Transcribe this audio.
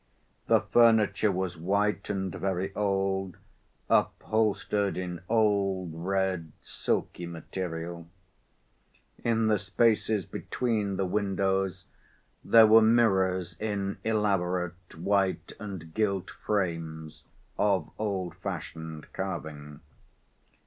The furniture was white and very old, upholstered in old, red, silky material. In the spaces between the windows there were mirrors in elaborate white and gilt frames, of old‐fashioned carving.